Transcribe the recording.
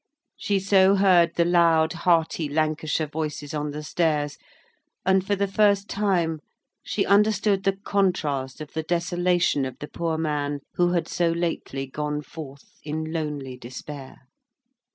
She so heard the loud, hearty Lancashire voices on the stairs; and, for the first time, she understood the contrast of the desolation of the poor man who had so lately gone forth in lonely despair.